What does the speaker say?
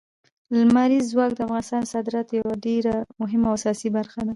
لمریز ځواک د افغانستان د صادراتو یوه ډېره مهمه او اساسي برخه ده.